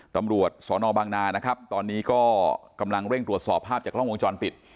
ตำรวจสนบางนานะครับตอนนี้ก็กำลังเร่งตรวจสอบภาพจากกล้องวงจรปิด